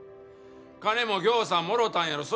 金もぎょうさんもろたんやろ。